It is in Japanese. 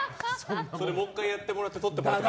もう１回やってもらってそれを撮ってもらって。